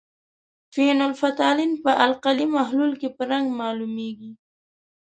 فینول فتالین په القلي محلول کې په رنګ معلومیږي.